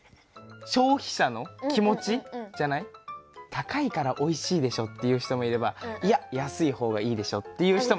高いからおいしいでしょって言う人もいればいや安い方がいいでしょって言う人もいるわけ。